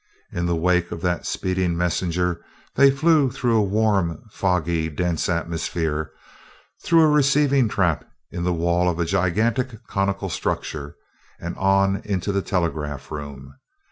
In the wake of that speeding messenger they flew through a warm, foggy, dense atmosphere, through a receiving trap in the wall of a gigantic conical structure, and on into the telegraph room.